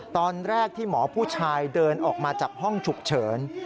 ตอนแรกที่หมอผู้ชายเดินออกมาจากห้องฉุกเฉิน